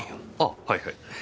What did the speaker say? あはいはい。